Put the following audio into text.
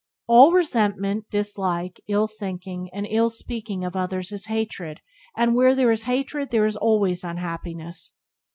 All resentment, dislike, ill thinking, and ill speaking of others is hatred, and where there is hatred there is always unhappiness.